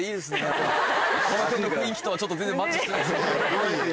この辺の雰囲気とは全然マッチしてないですけど。